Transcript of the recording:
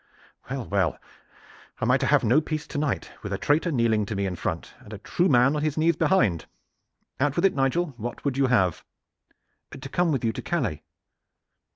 "Well, well, am I to have no peace to night, with a traitor kneeling to me in front, and a true man on his knees behind? Out with it, Nigel. What would you have?" "To come with you to Calais."